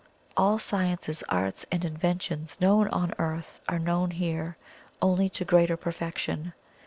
All sciences, arts, and inventions known on Earth are known here, only to greater perfection.